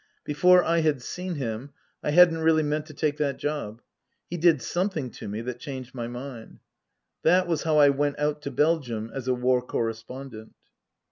Before I had seen him I hadn't really meant to take that job. He did something to me that changed my mind. That was how I went out to Belgium as a War Correspondent.